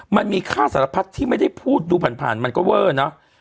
มันมีค่าสารพัดที่ไม่ได้พูดดูผ่านมันก็เวอร์เนอะ